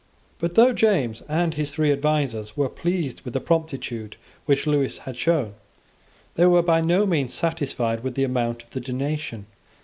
But though James and his three advisers were pleased with the promptitude which Lewis had shown, they were by no means satisfied with the amount of the donation.